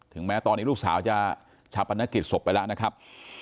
แม้ตอนนี้ลูกสาวจะชาปนกิจศพไปแล้วนะครับ